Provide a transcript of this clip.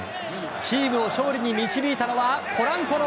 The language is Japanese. チームを勝利に導いたのはポランコの。